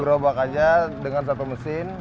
gerobak aja dengan satu mesin